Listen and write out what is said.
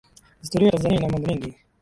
historia ya Tanzania ina mambo mengi